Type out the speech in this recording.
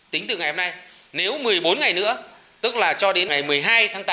tính từ ngày hôm nay nếu một mươi bốn ngày nữa tức là cho đến ngày một mươi hai tháng tám